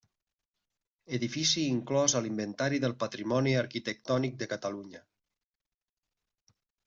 Edifici inclòs a l'Inventari del Patrimoni Arquitectònic de Catalunya.